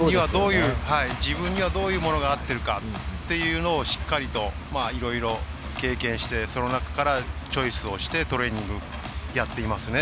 自分にはどういうものが合っているかっていうのをしっかりと、いろいろ経験してその中からチョイスをしてトレーニングやっていますね。